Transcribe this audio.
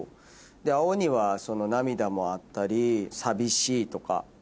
青には涙もあったり寂しいとか。